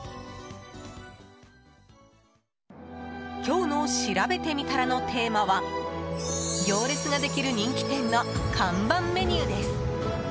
今日のしらべてみたらのテーマは行列ができる人気店の看板メニューです。